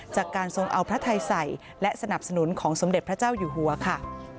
จากการทรงเอาพระไทยใส่และสนับสนุนของสมเด็จพระเจ้าอยู่หัวค่ะ